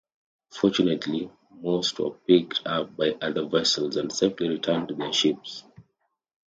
Fortunately, most were picked up by other vessels and safely returned to their ships.